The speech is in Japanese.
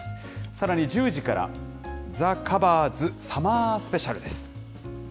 さらに１０時から、ザ・カバーズ、サマースペシャルです。